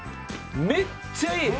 めっちゃいい！